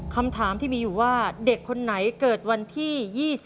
คำถามที่มีอยู่ว่าเด็กคนไหนเกิดวันที่๒๔